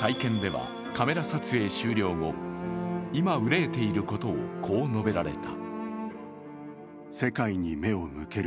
会見ではカメラ撮影終了後、今、憂えていることをこう述べられた。